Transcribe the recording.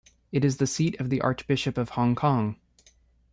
It is the seat of the Archbishop of Hong Kong.